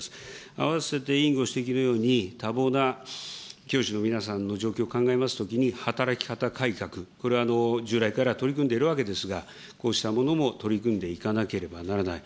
あわせて委員ご指摘のように、多忙な教師の皆さんの状況を考えますときに、働き方改革、これは従来から取り組んでいるわけですが、こうしたものも取り組んでいかなければならない。